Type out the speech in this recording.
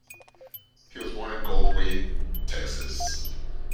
He was born in Goldthwaite, Texas.